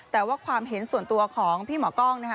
แต่ว่าความเห็นส่วนตัวของพี่หมอกล้องนะคะ